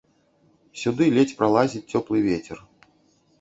Сюды ледзь пралазіць цёплы вецер.